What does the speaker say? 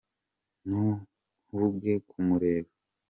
Ntuhuge kumureba